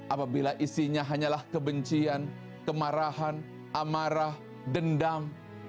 apabila isinya hanyalah kebencian kemarahan amarah dendam